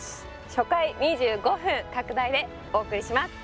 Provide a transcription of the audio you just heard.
初回２５分拡大でお送りします